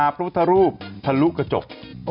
พุทธรูปทะลุกกระจก